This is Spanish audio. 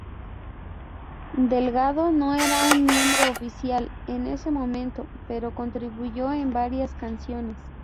Delgado no era un miembro oficial en ese momento, pero contribuyó en varias canciones.